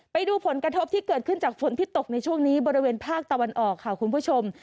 ไปดูผลกระทบที่เกิดขึ้นจากฝนที่ตกในช่วงนี้บริเวณภาคตะวันออกค่ะคุณผู้ชม